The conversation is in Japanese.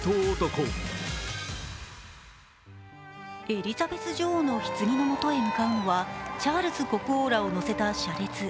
エリザベス女王のひつぎの元へ向かうのはチャールズ国王らを乗せた車列。